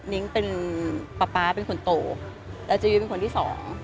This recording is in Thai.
นิ้งเป็นป๊าป๊าเป็นคนโตแล้วจะยุ้ยเป็นคนที่สอง